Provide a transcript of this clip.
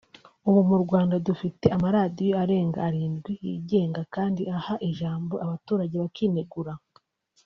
Ubu mu Rwanda dufite amaradiyo arenga arindwi yigenga kandi aha ijambo abaturage bakinigura